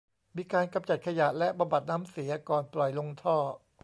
มีการกำจัดขยะและ บำบัดน้ำเสียก่อนปล่อยลงท่อ